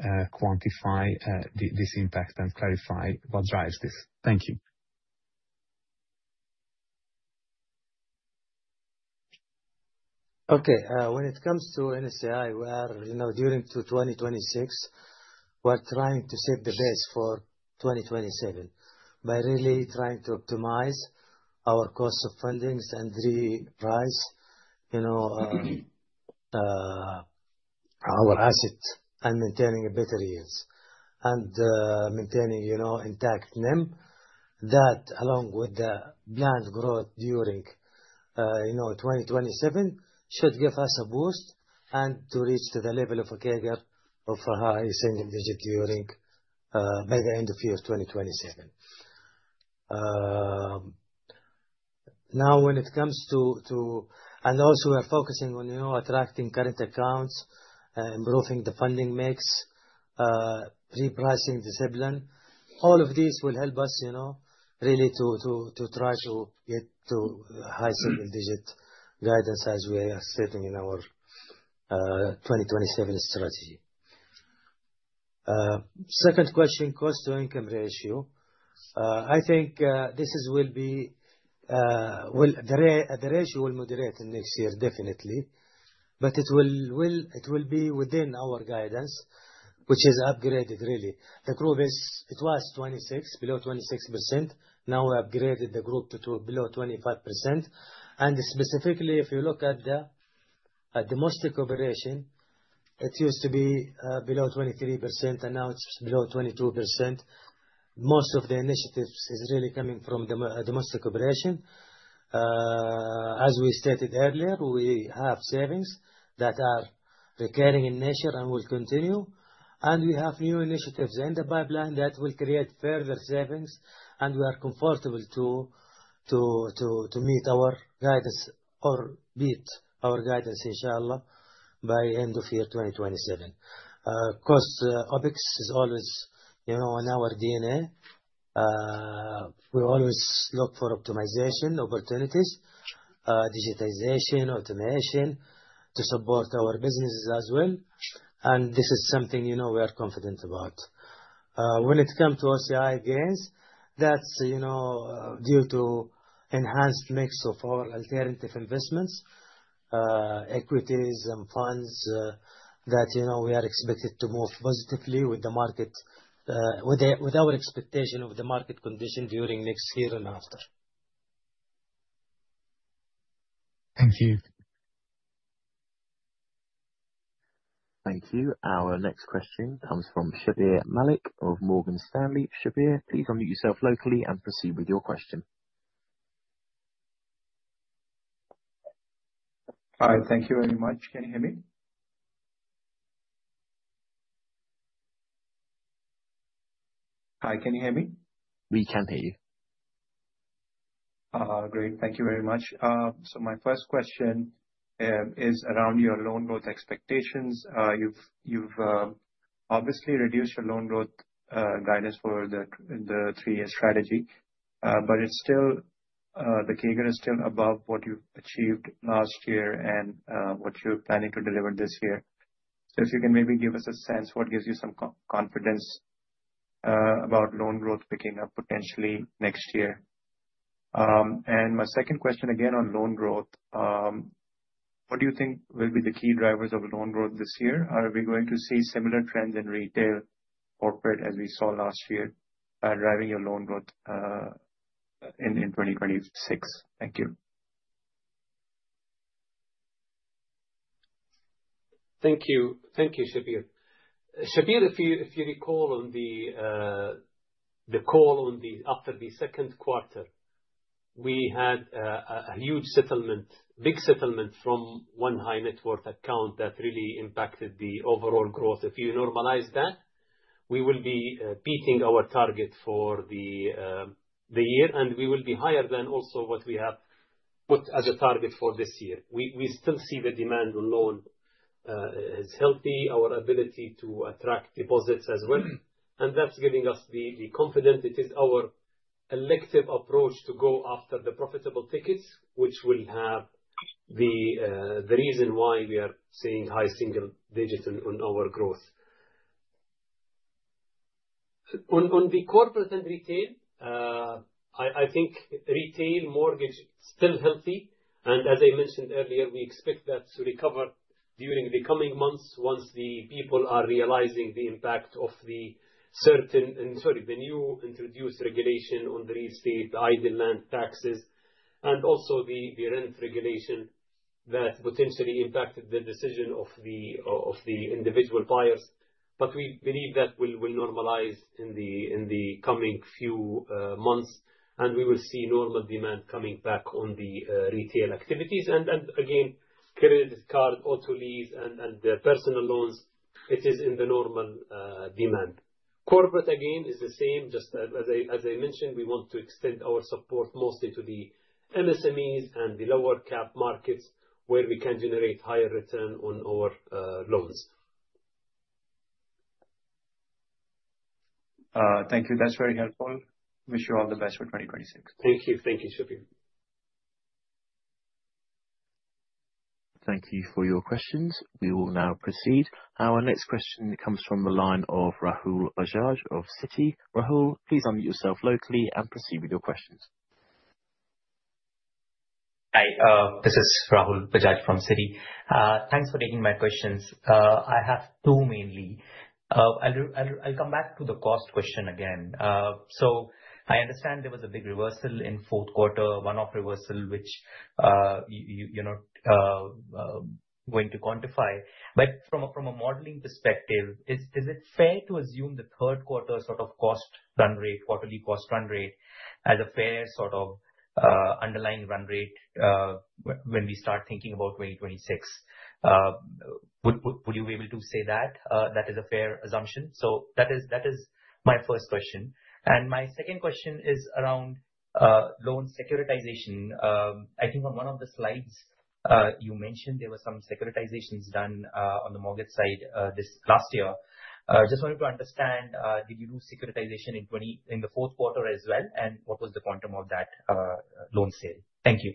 quantify, this impact and clarify what drives this? Thank you. Okay. When it comes to NSCI, we are, you know, during 2026, we're trying to set the base for 2027 by really trying to optimize our cost of fundings and reprice, you know, our assets and maintaining better yields, maintaining, you know, intact NIM. That, along with the planned growth during, you know, 2027, should give us a boost to reach the level of a CAGR of high single-digit by the end of 2027. Now when it comes to. Also we're focusing on, you know, attracting current accounts, improving the funding mix, repricing discipline. All of these will help us, you know, really to try to get to high single-digit guidance as we are stating in our 2027 strategy. Second question, cost-to-income ratio. I think the ratio will moderate next year, definitely. It will be within our guidance, which is upgraded really. The group was below 26%. Now we upgraded the group to below 25%. Specifically, if you look at the domestic operation, it used to be below 23%, and now it's below 22%. Most of the initiatives is really coming from domestic operation. As we stated earlier, we have savings that are recurring in nature and will continue, and we have new initiatives in the pipeline that will create further savings, and we are comfortable to meet our guidance or beat our guidance, Inshallah, by end of year 2027. Cost, OpEx is always, you know, in our DNA. We always look for optimization opportunities, digitization, automation to support our businesses as well. This is something, you know, we are confident about. When it come to OCI gains, that's, you know, due to enhanced mix of our alternative investments, equities and funds, that, you know, we are expected to move positively with the market, with our expectation of the market condition during next year and after. Thank you. Thank you. Our next question comes from Shabbir Malik of Morgan Stanley. Shabbir, please unmute yourself locally and proceed with your question. Hi. Thank you very much. Can you hear me? Hi, can you hear me? We can hear you. Great. Thank you very much. My first question is around your loan growth expectations. You've obviously reduced your loan growth guidance for the three-year strategy, but it's still the CAGR is still above what you've achieved last year and what you're planning to deliver this year. If you can maybe give us a sense what gives you some confidence about loan growth picking up potentially next year. My second question, again on loan growth. What do you think will be the key drivers of loan growth this year? Are we going to see similar trends in Retail, Corporate, as we saw last year driving your loan growth in 2026? Thank you. Thank you. Thank you, Shabbir. Shabbir, if you recall on the call after the second quarter, we had a huge settlement, big settlement from one high net worth account that really impacted the overall growth. If you normalize that, we will be beating our target for the year, and we will be higher than also what we have put as a target for this year. We still see the demand on loan is healthy, our ability to attract deposits as well. That's giving us the confidence. It is our elective approach to go after the profitable tickets, which will have the reason why we are seeing high single digits on our growth. On the Corporate and Retail, I think retail mortgage still healthy, and as I mentioned earlier, we expect that to recover during the coming months once the people are realizing the impact—sorry, the new introduced regulation on the real estate, the idle land taxes, and also the rent regulation that potentially impacted the decision of the individual buyers. We believe that will normalize in the coming few months, and we will see normal demand coming back on the retail activities. Again, credit card, auto lease and personal loans, it is in the normal demand. Corporate, again, is the same. Just as I mentioned, we want to extend our support mostly to the MSMEs and the lower cap markets where we can generate higher return on our loans. Thank you. That's very helpful. Wish you all the best for 2026. Thank you. Thank you, Shabbir. Thank you for your questions. We will now proceed. Our next question comes from the line of Rahul Bajaj of Citi. Rahul, please unmute yourself locally and proceed with your questions. Hi, this is Rahul Bajaj from Citi. Thanks for taking my questions. I have two mainly. I'll come back to the cost question again. I understand there was a big reversal in fourth quarter, one-off reversal, which you're not going to quantify. From a modeling perspective, is it fair to assume the third quarter sort of cost run rate, quarterly cost run rate as a fair sort of underlying run rate when we start thinking about 2026? Would you be able to say that that is a fair assumption? That is my first question. My second question is around loan securitization. I think on one of the slides, you mentioned there were some securitizations done on the mortgage side this last year. Just wanted to understand, did you do securitization in the fourth quarter as well? What was the quantum of that loan sale? Thank you.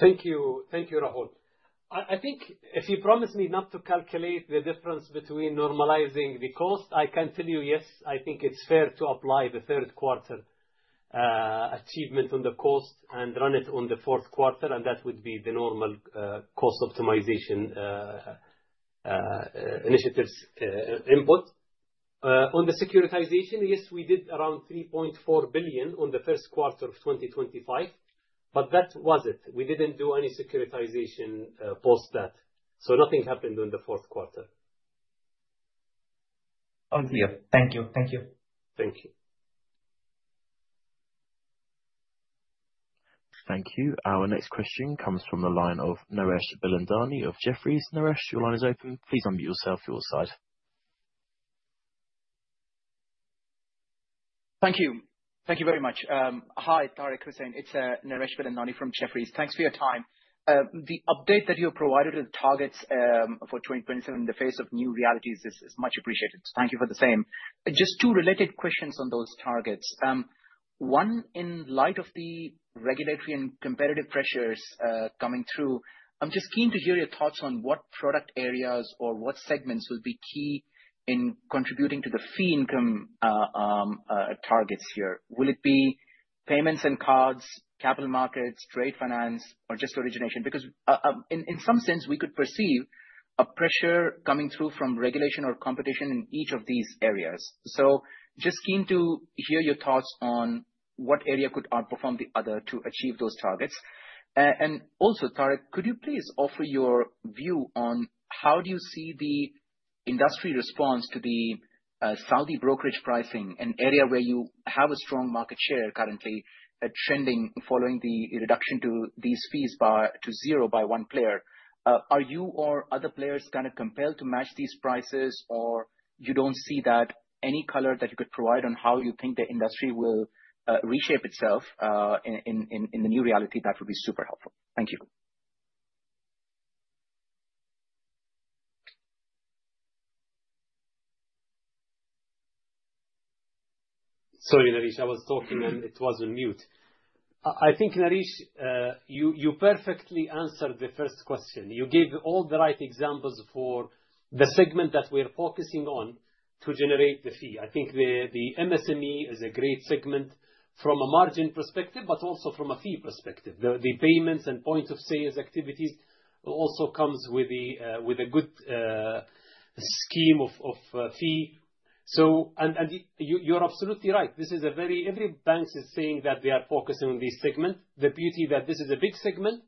Thank you. Thank you, Rahul. I think if you promise me not to calculate the difference between normalizing the cost, I can tell you, yes. I think it's fair to apply the third quarter achievement on the cost and run it on the fourth quarter, and that would be the normal cost optimization initiatives input. On the securitization, yes, we did around 3.4 billion on the first quarter of 2025, but that was it. We didn't do any securitization post that. Nothing happened on the fourth quarter. Clear. Thank you. Thank you. Thank you. Thank you. Our next question comes from the line of Naresh Bilandani of Jefferies. Naresh, your line is open. Please unmute yourself to your side. Thank you. Thank you very much. Hi, Tareq, Hussein. It's Naresh Bilandani from Jefferies. Thanks for your time. The update that you have provided with targets for 2027 in the face of new realities is much appreciated. Thank you for the same. Just two related questions on those targets. One, in light of the regulatory and competitive pressures coming through, I'm just keen to hear your thoughts on what product areas or what segments will be key in contributing to the fee income targets here. Will it be payments and cards, capital markets, trade finance, or just origination? Because in some sense we could perceive a pressure coming through from regulation or competition in each of these areas. Just keen to hear your thoughts on what area could outperform the other to achieve those targets. And also, Tareq, could you please offer your view on how you see the industry response to the Saudi brokerage pricing, an area where you have a strong market share currently, trending following the reduction to these fees to zero by one player. Are you or other players kind of compelled to match these prices, or you don't see that? Any color that you could provide on how you think the industry will reshape itself in the new reality, that would be super helpful. Thank you. Sorry, Naresh. I was talking and it was on mute. I think, Naresh, you perfectly answered the first question. You gave all the right examples for the segment that we're focusing on to generate the fee. I think the MSME is a great segment from a margin perspective, but also from a fee perspective. The payments and point of sales activities also comes with a good scheme of fee. You're absolutely right. Every bank is saying that they are focused on this segment. The beauty that this is a big segment.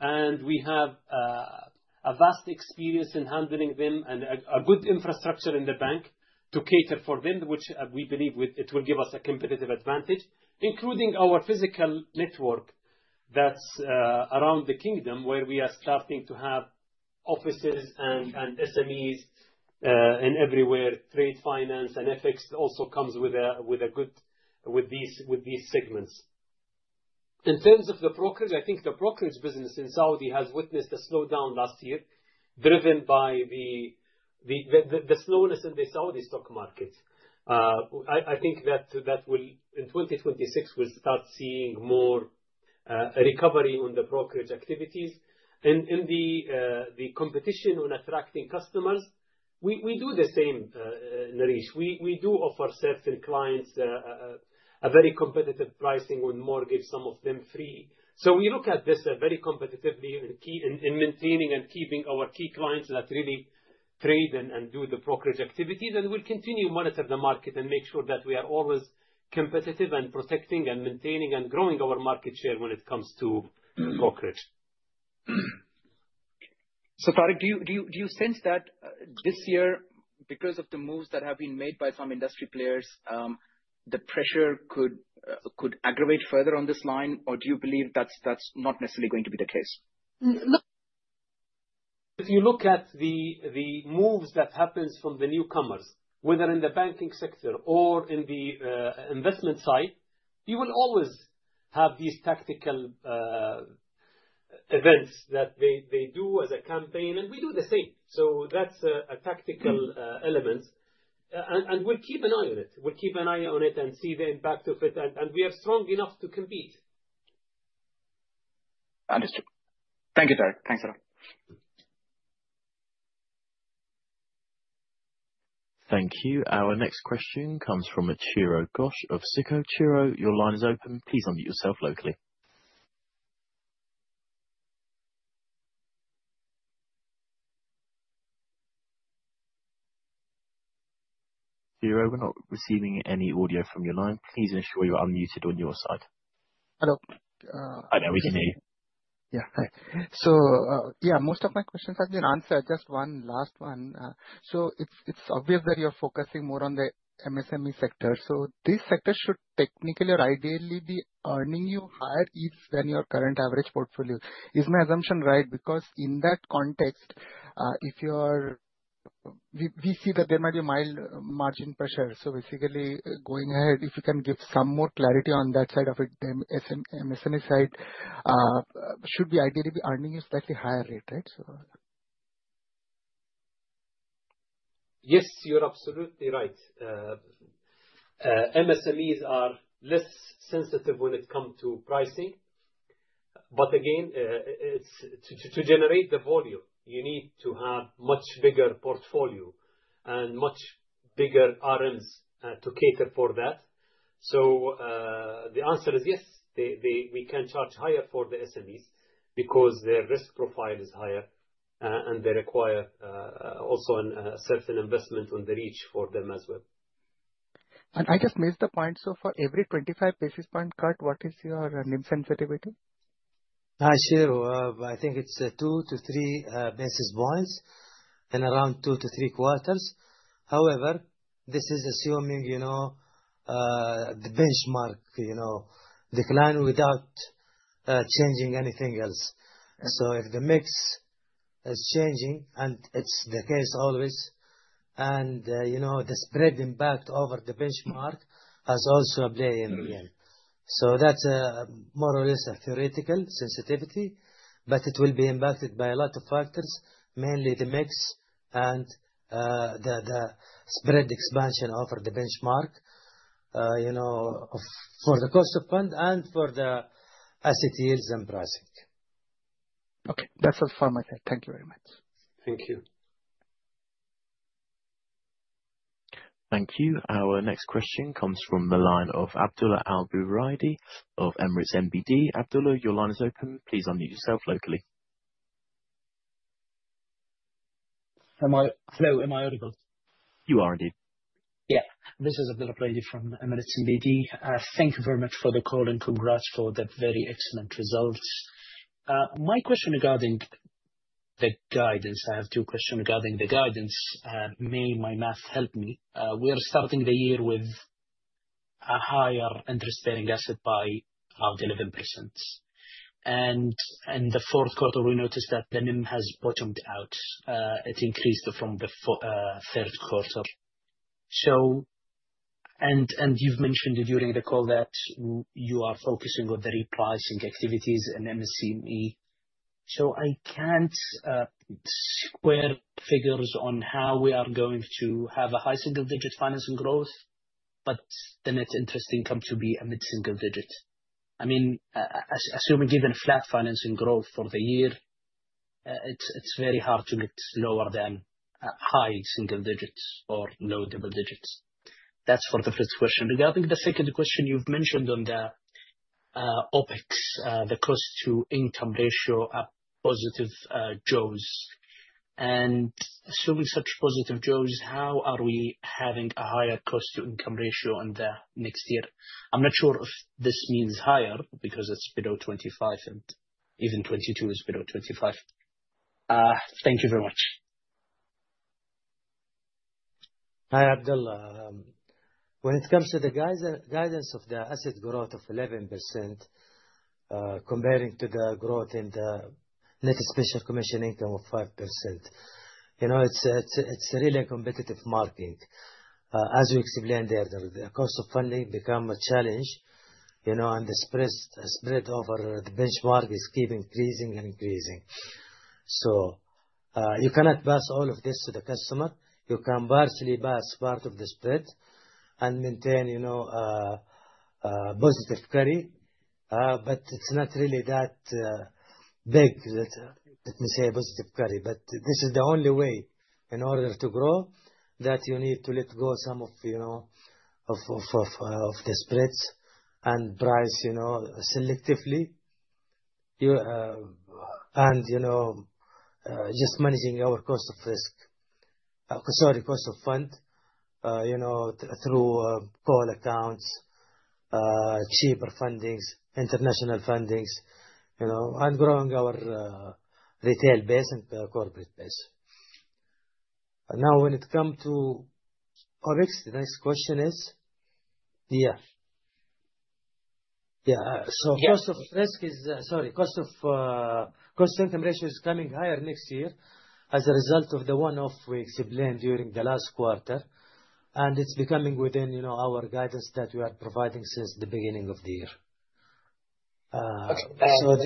We have a vast experience in handling them and a good infrastructure in the bank to cater for them, which we believe will—it will give us a competitive advantage, including our physical network that's around the kingdom, where we are starting to have offices and SMEs and everywhere. Trade finance and FX also comes with these segments. In terms of the brokerage, I think the brokerage business in Saudi has witnessed a slowdown last year, driven by the slowness in the Saudi stock market. In 2026, we'll start seeing more recovery on the brokerage activities. In the competition on attracting customers, we do the same, Naresh. We do offer certain clients a very competitive pricing on mortgage, some of them free. We look at this very competitively in maintaining and keeping our key clients that really trade and do the brokerage activity. We'll continue to monitor the market and make sure that we are always competitive and protecting, and maintaining, and growing our market share when it comes to brokerage. Tareq, do you sense that this year, because of the moves that have been made by some industry players, the pressure could aggravate further on this line? Or do you believe that's not necessarily going to be the case? If you look at the moves that happens from the newcomers, whether in the banking sector or in the investment side, you will always have these tactical events that they do as a campaign, and we do the same. That's a tactical We'll keep an eye on it and see the impact of it. We are strong enough to compete. Understood. Thank you, Tareq. Thanks a lot. Thank you. Our next question comes from Chiro Ghosh of SICO. Chiro, your line is open. Please unmute yourself locally. Chiro, we're not receiving any audio from your line. Please ensure you're unmuted on your side. Hello. We can hear you. Hi. Most of my questions have been answered. Just one last one. It's obvious that you're focusing more on the MSME sector. This sector should technically or ideally be earning you higher yields than your current average portfolio. Is my assumption right? Because in that context, we see that there might be a mild margin pressure. Basically, going ahead, if you can give some more clarity on that side of it, the MSME side, should ideally be earning a slightly higher rate, right? Yes, you're absolutely right. MSMEs are less sensitive when it come to pricing. Again, it's to generate the volume, you need to have much bigger portfolio and much bigger RNs to cater for that. The answer is yes. We can charge higher for the SMEs because their risk profile is higher, and they require also a certain investment in the outreach for them as well. I just missed the point. For every 25 basis point cut, what is your NIM sensitivity? Sure. I think it's 2 basis points-3 basis points and around two to three quarters. However, this is assuming, you know, the benchmark, you know, decline without changing anything else. Okay. If the mix is changing, and it's the case always, and, you know, the spread impact over the benchmark has also a play in here. That's more or less a theoretical sensitivity, but it will be impacted by a lot of factors, mainly the mix and, the spread expansion over the benchmark, you know, for the cost of fund and for the asset yields and pricing. Okay. That's all from my side. Thank you very much. Thank you. Thank you. Our next question comes from the line of Abdullah Al-Buraidi of Emirates NBD. Abdullah, your line is open. Please unmute yourself locally. Hello, am I audible? You are indeed. Yeah. This is Abdullah Al-Buraidi from Emirates NBD. Thank you very much for the call, and congrats for the very excellent results. My question regarding the guidance, I have two questions regarding the guidance. May my math help me. We are starting the year with a higher interest-bearing asset by 11%. The fourth quarter, we noticed that the NIM has bottomed out. It increased from the third quarter. You've mentioned during the call that you are focusing on the repricing activities in MSME. I can't square figures on how we are going to have a high single-digit financing growth, but the net interest income to be a mid-single-digit. I mean, assuming given flat financing growth for the year, it's very hard to get lower than high single digits or low double digits. That's for the first question. Regarding the second question, you've mentioned on the OpEx, the cost-to-income ratio, a positive jaws. Assuming such positive jaws, how are we having a higher cost-to-income ratio on the next year? I'm not sure if this means higher because it's below 2025, and even 2022 is below 2025. Thank you very much. Hi, Abdullah. When it comes to the guidance of the asset growth of 11%, comparing to the growth in the net special commission income of 5%, you know, it's really a competitive market. As we explained earlier, the cost of funding become a challenge, you know, and the spread over the benchmark keeps increasing. You cannot pass all of this to the customer. You can partially pass part of the spread and maintain, you know, positive carry. But it's not really that big that, let me say, a positive carry. This is the only way in order to grow, that you need to let go some of the spreads and price, you know, selectively. You know, just managing our cost of fund, you know, through call accounts, cheaper fundings, international fundings, you know, and growing our Retail base and our Corporate base. Now, when it come to OpEx, the next question is. So cost-income ratio is coming higher next year as a result of the one-off we explained during the last quarter, and it's becoming within, you know, our guidance that we are providing since the beginning of the year. There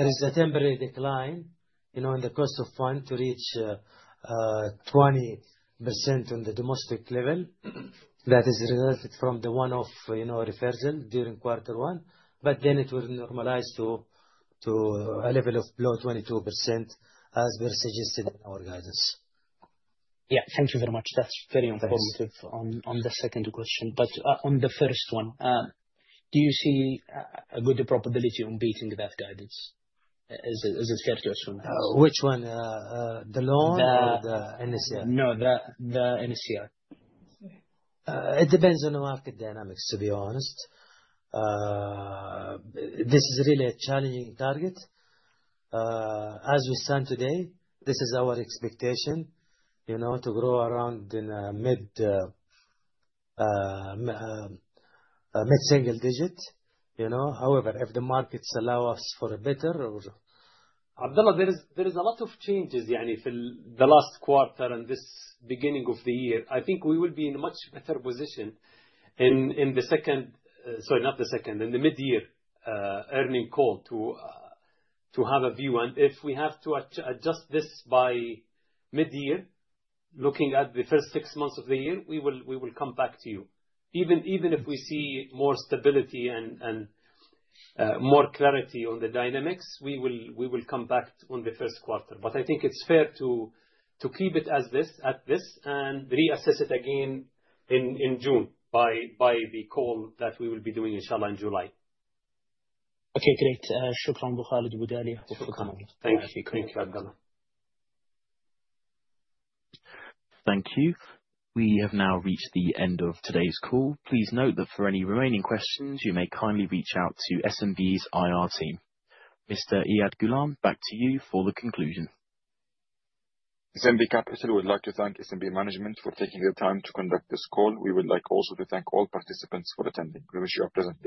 is a temporary decline, you know, in the cost of funds to reach 20% on the domestic level that is resulted from the one-off, you know, reversal during quarter one, but then it will normalize to a level of below 22%, as we suggested in our guidance. Yeah. Thank you very much. That's very informative. Thanks. On the second question. On the first one, do you see a good probability on beating the guidance, as it's scheduled from now? Which one? The loan or the NSCI? No, the NSCI. It depends on the market dynamics, to be honest. This is really a challenging target. As we stand today, this is our expectation, you know, to grow around mid-single-digit, you know. However, if the markets allow us for a better or— Abdullah, there is a lot of changes, yeah, in the last quarter and this beginning of the year. I think we will be in a much better position in the mid-year earnings call to have a view. If we have to adjust this by mid-year, looking at the first six months of the year, we will come back to you. Even if we see more stability and more clarity on the dynamics, we will come back on the first quarter. I think it's fair to keep it as is at this and reassess it again in June by the call that we will be doing, Inshallah, in July. Okay, great. Shukran, Abu Khalid, Abu Diala for coming. Thank you. Thank you, Abdullah. Thank you. We have now reached the end of today's call. Please note that for any remaining questions, you may kindly reach out to SNB's IR team. Mr. Iyad Ghulam, back to you for the conclusion. SNB Capital would like to thank SNB management for taking the time to conduct this call. We would like also to thank all participants for attending. We wish you a pleasant day.